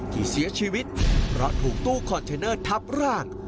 ที่เสียชีวิตเพราะถูกตู้คอนเทนเนอร์ทับร่าง